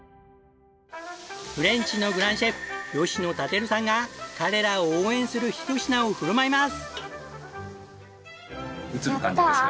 フレンチのグランシェフ野建さんが彼らを応援するひと品を振る舞います！